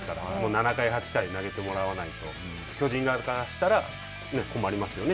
７回、８回投げてもらわないと、巨人側からしたら困りますよね。